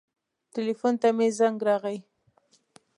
ټیلیفون ته مې زنګ راغی.